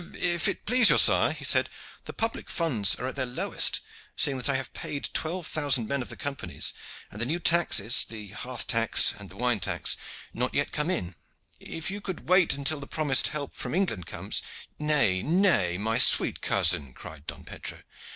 "If it please you, sire," he said, "the public funds are at their lowest, seeing that I have paid twelve thousand men of the companies, and the new taxes the hearth tax and the wine tax not yet come in. If you could wait until the promised help from England comes " "Nay, nay, my sweet cousin," cried Don Pedro.